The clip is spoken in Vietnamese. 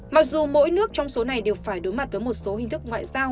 mặc dù mỗi nước trong số này đều phải đối mặt với một số hình thức ngoại giao